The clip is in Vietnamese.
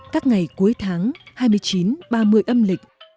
các ngày cuối tháng hai mươi chín ba mươi âm lịch